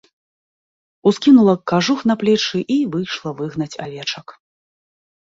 Ускінула кажух на плечы і выйшла выгнаць авечак.